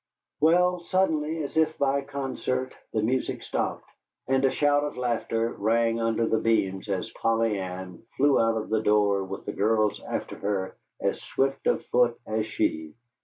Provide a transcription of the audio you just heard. Well, suddenly, as if by concert, the music stopped, and a shout of laughter rang under the beams as Polly Ann flew out of the door with the girls after her, as swift of foot as she.